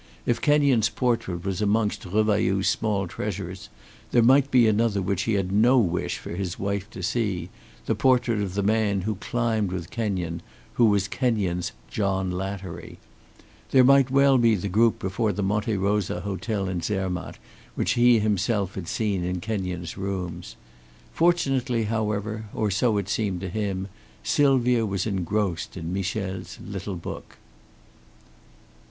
If Kenyon's portrait was amongst Revailloud's small treasures, there might be another which he had no wish for his wife to see, the portrait of the man who climbed with Kenyon, who was Kenyon's "John Lattery." There might well be the group before the Monte Rosa Hotel in Zermatt which he himself had seen in Kenyon's rooms. Fortunately however, or so it seemed to him, Sylvia was engrossed in Michel's little book.